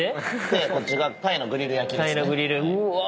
こっちがタイのグリル焼きですね。